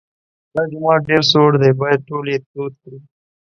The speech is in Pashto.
دا جومات ډېر سوړ دی باید ټول یې تود کړو.